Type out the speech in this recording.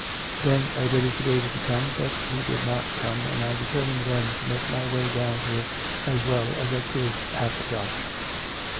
" Then I waited for David to come, but he did not come, and I determined then to make my way down here as well as I could after dark.